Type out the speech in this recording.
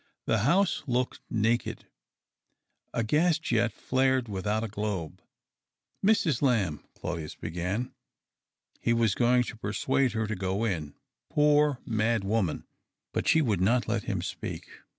The house looked naked. A gas jet flared without a globe. " Mrs. Lamb," Claudius began. He was going to persuade her to go in, poor mad woman, but she would not let him speak.